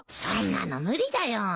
そんなの無理だよ。